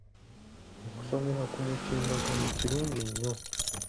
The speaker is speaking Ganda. Okusomera ku mutimbagano kirungi nnyo.